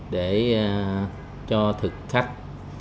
để cho thực khách